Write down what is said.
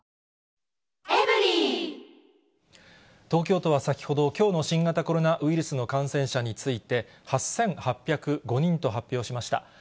東京都は先ほど、きょうの新型コロナウイルスの感染者について、８８０５人と発表しました。